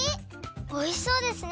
おいしそうですね！